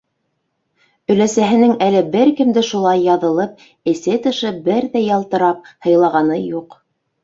Өләсәһенең әле бер кемде шулай яҙылып, эсе-тышы берҙәй ялтырап һыйлағаны юҡ.